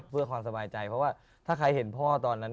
เพื่อความสบายใจเพราะว่าถ้าใครเห็นพ่อตอนนั้น